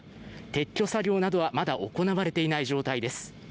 撤去作業などは、まだ行われていない状態です。